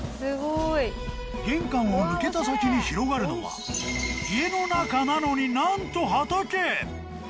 玄関を抜けた先に広がるのは家の中なのになんと畑！